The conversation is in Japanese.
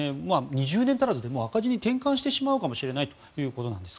２０年足らずで赤字に転換してしまうかもしれないということなんです。